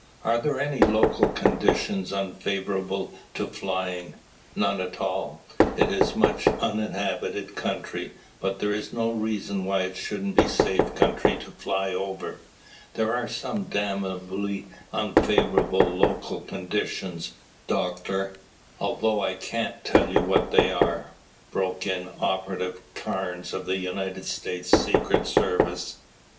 "Are there any local conditions unfavorable to flying?" "None at all. It is much uninhabited country, but there is no reason why it shouldn't be safe country to fly over." "There are some damnably unfavorable local conditions, Doctor, although I can't tell you what they are," broke in Operative Carnes of the United States Secret Service.